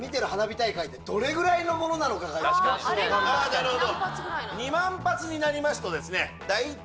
なるほど。